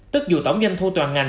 tức dù tổng doanh thu toàn ngành